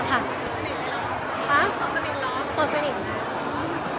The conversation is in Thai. มันจะมีอะไรมากกว่านั้นในสังหลัก